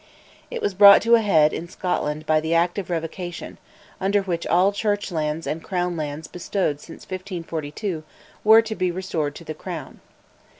It was brought to a head in Scotland by the "Act of Revocation," under which all Church lands and Crown lands bestowed since 1542 were to be restored to the Crown.